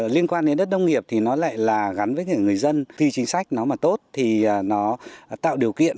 liên quan đến đất nông nghiệp thì nó lại là gắn với người dân khi chính sách nó mà tốt thì nó tạo điều kiện